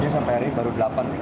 sampai hari baru delapan